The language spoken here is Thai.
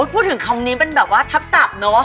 พูดถึงคำนี้มันแบบว่าทับสับเนอะ